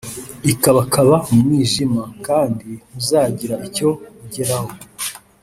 ikabakaba mu mwijima,+ kandi ntuzagira icyo ugeraho